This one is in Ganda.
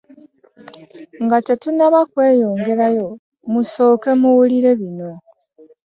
Nga tetunnaba kweyongerayo musooke muwulire bino.